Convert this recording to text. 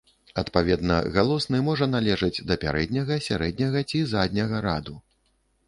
Адпаведна, галосны можа належаць да пярэдняга, сярэдняга ці задняга раду.